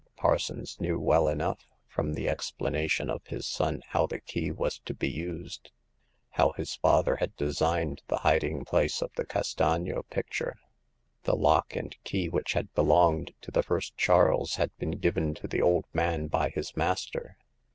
Parsons knew well enough — from the explanation of his son — how the key was to be used ; how his father had designed the hiding place of the Castagno picture. The lock and key which had belonged to the First Charles had been given to the old man by his master.